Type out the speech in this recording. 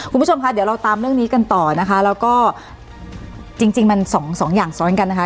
คุณผู้ชมค่ะเดี๋ยวเราตามเรื่องนี้กันต่อนะคะแล้วก็จริงจริงมันสองสองอย่างซ้อนกันนะคะ